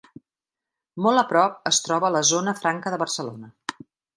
Molt a prop es troba la Zona Franca de Barcelona.